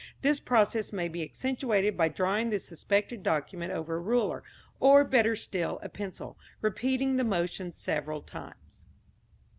This process may be accentuated by drawing the suspected document over a ruler, or, better still, a pencil, repeating the motion several times.